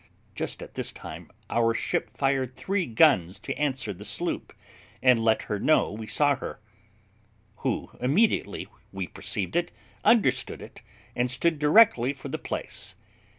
Just at this time our ship fired three guns to answer the sloop and let her know we saw her, who immediately, we perceived, understood it, and stood directly for the place.